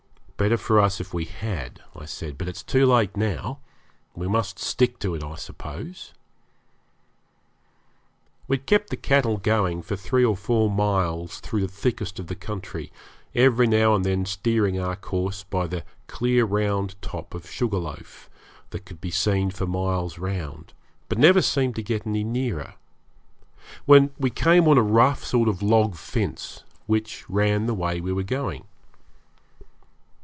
'Better for us if we had,' I said; 'but it's too late now. We must stick to it, I suppose.' We had kept the cattle going for three or four miles through the thickest of the country, every now and then steering our course by the clear round top of Sugarloaf, that could be seen for miles round, but never seemed to get any nearer, when we came on a rough sort of log fence, which ran the way we were going.